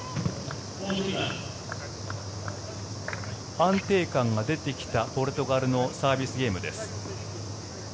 安定感が出てきたポルトガルのサービスゲームです。